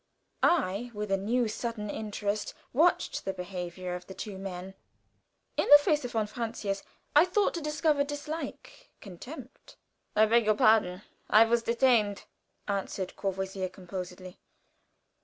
I with a new, sudden interest, watched the behavior of the two men. In the face of von Francius I thought to discover dislike, contempt. "I beg your pardon; I was detained," answered Courvoisier, composedly.